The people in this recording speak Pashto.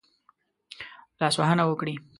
لاسوهنه وکړي.